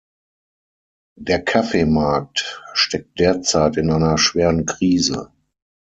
Der Kaffeemarkt steckt derzeit in einer schweren Krise.